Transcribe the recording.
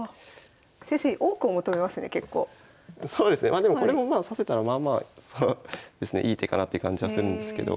まあでもこれもまあ指せたらまあまあいい手かなという感じはするんですけど。